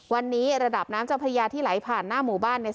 วันนี้ระดับน้ำเจ้าพระยาที่ไหลผ่านหน้าหมู่บ้านเนี่ย